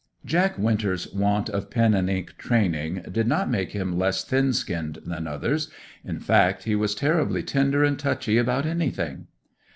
'Jack Winter's want of pen and ink training did not make him less thin skinned than others; in fact, he was terribly tender and touchy about anything.